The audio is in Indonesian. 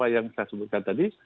yang saya sebutkan tadi